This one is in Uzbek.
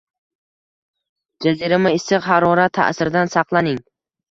Jazirama issiq harorat ta`siridan saqlaning